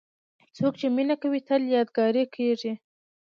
څوک چې مینه کوي، تل یادګاري کېږي.